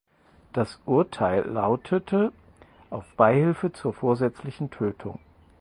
Das Urteil lautete auf Beihilfe zur vorsätzlichen Tötung.